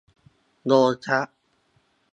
โดนซัด